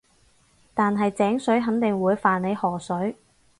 但係井水肯定會犯你河水